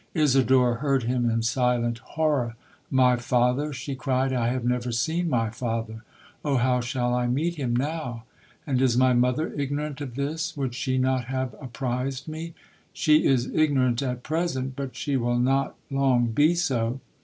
Isidora heard him in silent horror. 'My father!' she cried—'I have never seen my father.—Oh, how shall I meet him now! And is my mother ignorant of this?—would she not have apprized me?'—'She is ignorant at present; but she will not long be so.'